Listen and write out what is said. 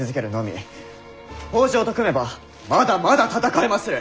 北条と組めばまだまだ戦えまする！